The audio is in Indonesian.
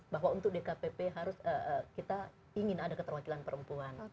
bahwa untuk dkpp harus kita ingin ada keterwakilan perempuan